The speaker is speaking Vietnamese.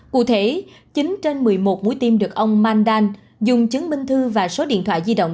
cụ thể chín trên một mươi một mũi tim được ông mandan dùng chứng minh thư và số điện thoại di động